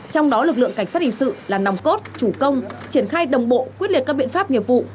trong đó lực lượng cảnh sát hình sự là nòng cốt chủ công triển khai đồng bộ quyết liệt các biện pháp nghiệp vụ